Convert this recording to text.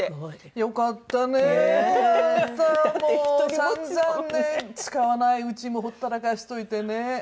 あなたもう散々ね使わないうちもほったらかしといてね。